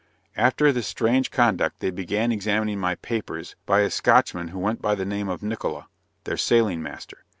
After this strange conduct they began examining my papers by a Scotchman who went by the name of Nickola, their sailing master.